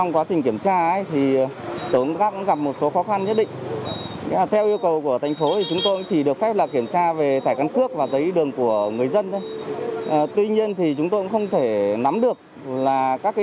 các công tác cũng có thể kiểm tra thông tin như thế này